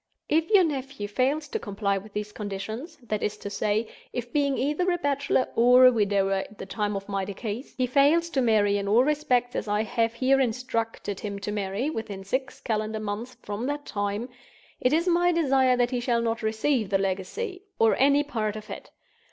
"If your nephew fails to comply with these conditions—that is to say, if being either a bachelor or a widower at the time of my decease, he fails to marry in all respects as I have here instructed him to marry, within Six calendar months from that time—it is my desire that he shall not receive the legacy, or any part of it.